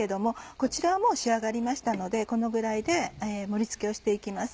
こちらはもう仕上がりましたのでこのぐらいで盛り付けをして行きます。